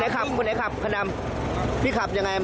คุณไหนขับพี่ขับยังไง